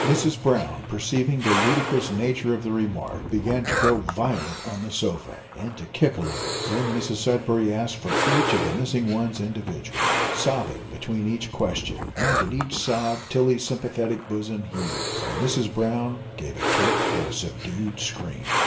Mrs Brown, perceiving the ludicrous nature of the remark, began to grow violent on the sofa, and to kick a little. Then Mrs Sudberry asked for each of the missing ones individually sobbing between each question and at each sob Tilly's sympathetic bosom heaved, and Mrs Brown gave a kick and a subdued scream.